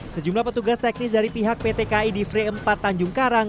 sejumlah petugas teknis dari pihak pt ki di free empat tanjung karang